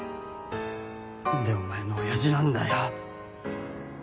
何でお前の親父なんだよ。